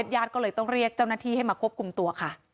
ญาติก็เลยต้องเรียกเจ้าหน้าที่ให้มาควบคุมตัวค่ะ